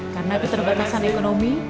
karena keterbatasan ekonomi